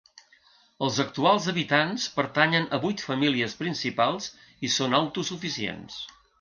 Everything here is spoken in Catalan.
Els actuals habitants pertanyen a vuit famílies principals i són autosuficients.